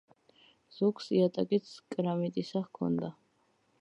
ზოგს იატაკიც კრამიტისა ჰქონდა.